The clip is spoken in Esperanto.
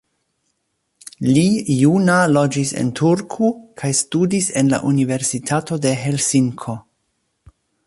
Li juna loĝis en Turku kaj studis en la Universitato de Helsinko.